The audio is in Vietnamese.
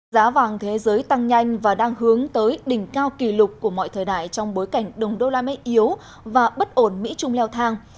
giá vàng thế giới tăng nhanh và đang hướng tới đỉnh cao kỷ lục của mọi thời đại trong bối cảnh đồng đô la mỹ yếu và bất ổn mỹ trung leo thang